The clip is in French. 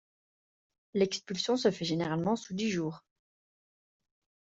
L'expulsion se fait généralement sous dix jours.